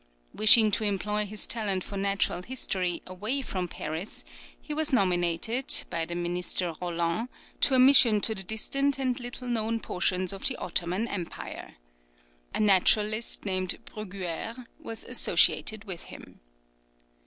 Wishing to employ his talent for natural history away from Paris, he was nominated, by the minister Roland, to a mission to the distant and little known portions of the Ottoman Empire. A naturalist, named Bruguère, was associated with him.